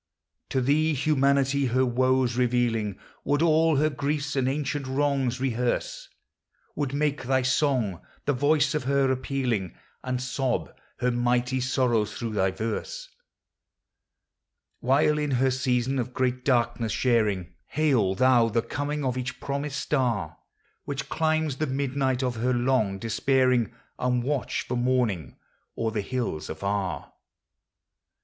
To thee Humanity, her woes revealing, Would all her griefs and ancient wrongs rehearse ; Would make thy song the voice of her appealing, And sob her mighty sorrows through thy verse. THOUGHT: POETRY: BOOKS. 339 While inker season of great darkness sharing, Hail thou the coming of each promise star Which climbs the midnight of her long despairing^ And watch for morning o'er the hills afar.